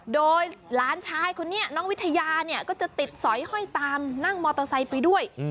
โดยหลานชายคนนี้น้องวิทยาเนี่ยก็จะติดสอยห้อยตามนั่งมอเตอร์ไซค์ไปด้วย